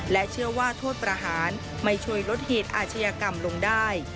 และเชื่อว่าโทษประหารไม่ช่วยลดเหตุอาชญากรรมลงได้